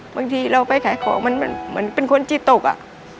บางทีเราไปขายของมันเป็นคนจิตตกอะ